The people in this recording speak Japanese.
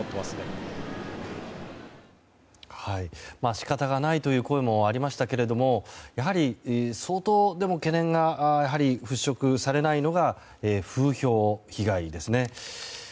仕方がないという声もありましたけれどもやはり相当、懸念が払拭されないのが風評被害ですね。